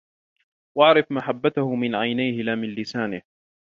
وَاعْرِفْ مَحَبَّتَهُ مِنْ عَيْنِهِ لَا مِنْ لِسَانِهِ